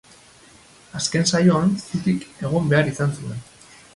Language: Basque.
Azken saioan zutik egon behar izan zuen.